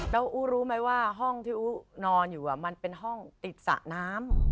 แล้วอู้รู้ไหมว่าห้องที่อู๊นอนอยู่มันเป็นห้องติดสระน้ำ